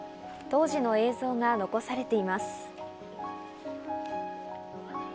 当時の映像が残されています。